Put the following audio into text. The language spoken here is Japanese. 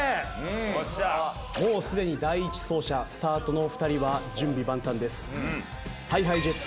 もうすでに第１走者スタートのお二人は準備万端です。ＨｉＨｉＪｅｔｓ